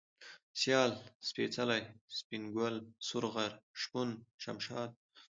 سيال ، سپېڅلى ، سپين گل ، سورغر ، شپون ، شمشاد